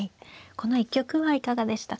この一局はいかがでしたか。